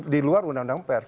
di luar undang undang pers